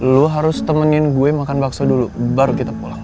lu harus temenin gue makan bakso dulu baru kita pulang